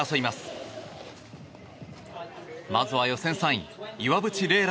まずは予選３位岩渕麗